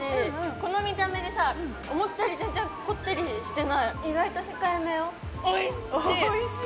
この見た目でさ思ったより全然こってりしてない意外と控えめよおいしい！